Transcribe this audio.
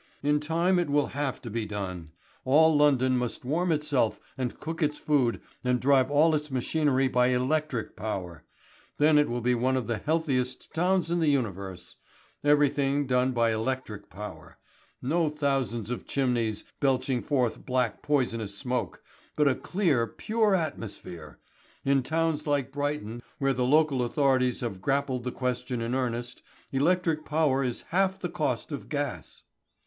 "In time it will have to be done. All London must warm itself and cook its food and drive all its machinery by electric power. Then it will be one of the healthiest towns in the universe. Everything done by electric power. No thousands of chimneys belching forth black poisonous smoke, but a clear, pure atmosphere. In towns like Brighton, where the local authorities have grappled the question in earnest, electric power is half the cost of gas.